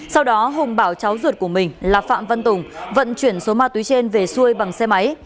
sau đó hùng bảo cháu ruột của mình là phạm văn tùng vận chuyển số ma túy trên về xuôi bằng xe máy